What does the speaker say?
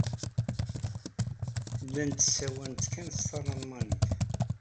Llant ssawalent kan s talmanit.